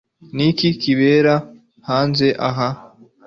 Ni iki kibera hanze aha